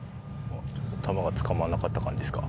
球がつかまらなかった感じですか？